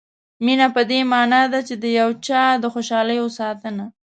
مینه په دې معنا ده چې د یو چا د خوشالیو ساتنه.